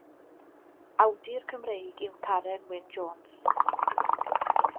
Awdur Cymreig yw Caren Wyn Jones.